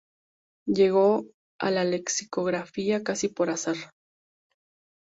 Llegó a la lexicografía casi por azar.